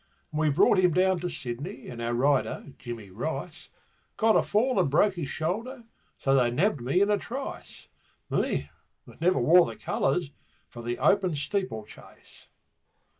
And we brought him down to Sydney, and our rider Jimmy Rice, Got a fall and broke his shoulder, so they nabbed me in a trice Me, that never wore the colours, for the Open Steeplechase.